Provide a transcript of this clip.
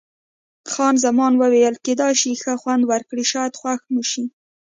خان زمان وویل: کېدای شي ښه خوند وکړي، شاید خوښ مو شي.